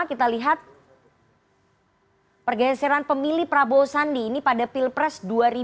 kita lihat pergeseran pemilih prabowo sandi ini pada pilpres dua ribu dua puluh